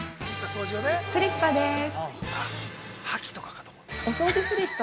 スリッパでーす。